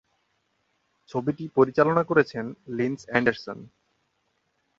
ছবিটি পরিচালনা করেছেন লিন্ডসে এন্ডারসন।